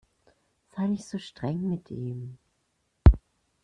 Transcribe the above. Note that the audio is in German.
Sei nicht so streng mit ihm!